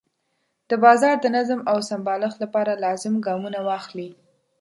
د بازار د نظم او سمبالښت لپاره لازم ګامونه واخلي.